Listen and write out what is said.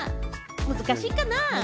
難しいかな？